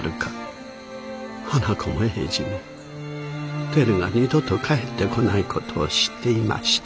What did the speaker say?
花子も英治もテルが二度と帰ってこない事を知っていました。